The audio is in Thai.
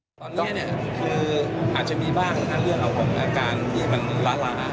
อาการแล้วนี้เนี่ยฮะคืออาจจะมีบ้างฮะเรื่องเอาผมอาการนี้มันละหลา